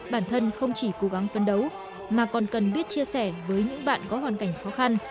bản thân không chỉ cố gắng phân đấu mà còn cần biết chia sẻ với những bạn có hoàn cảnh khó khăn